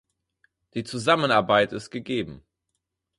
Die Zusammenarbeit ist gegeben.